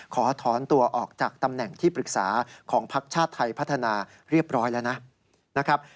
ขอถอนตัวออกจากตำแหน่งที่ปรึกษาของภักดิ์ชาติไทยพัฒนาเรียบร้อยแล้วนะครับ